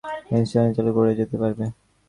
ইঞ্জিনটা চালু করলেই চলে যেতে পারবে।